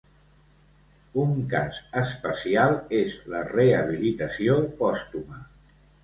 Un cas especial és la rehabilitació pòstuma.